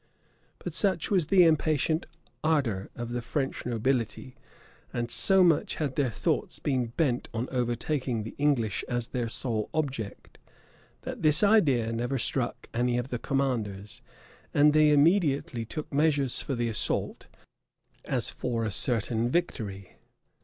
But such was the impatient ardor of the French nobility, and so much had their thoughts been bent on overtaking the English as their sole object, that this idea never struck any of the commanders; and they immediately took measures for the assault, as for a certain victory.